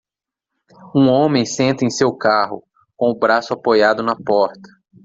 Um homem senta em seu carro? com o braço apoiado na porta.